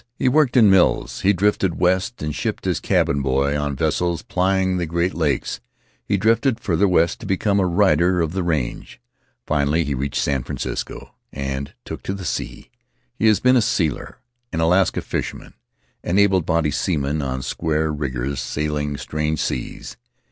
He worked in mills; he drifted west and shipped as cabin boy on vessels plying the Great Lakes; he drifted farther west to become a rider of the range. Finally he reached San Francisco and took to the sea. He has been a sealer, an Alaska fisherman, an able bodied seaman on square riggers sailing strange seas.